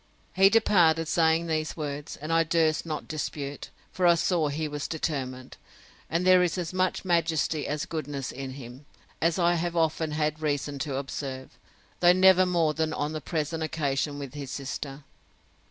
He departed, saying these words, and I durst not dispute; for I saw he was determined. And there is as much majesty as goodness in him, as I have often had reason to observe; though never more than on the present occasion with his sister.